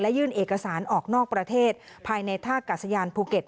ยื่นเอกสารออกนอกประเทศภายในท่ากาศยานภูเก็ต